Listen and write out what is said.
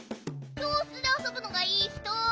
きょうしつであそぶのがいいひと。